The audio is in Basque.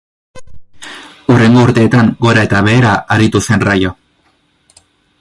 Hurrengo urteetan gora eta behera aritu zen Rayo.